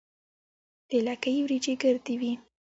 د لکۍ وریجې ګردې وي.